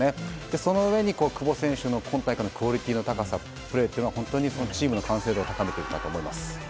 そのうえに久保選手の今大会のクオリティーの高さ、プレーはチームの完成度を高めていると思います。